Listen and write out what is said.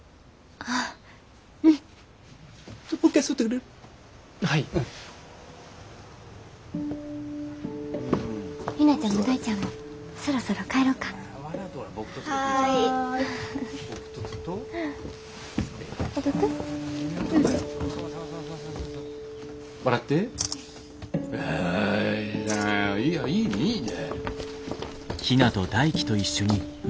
あいいよいいねいいね。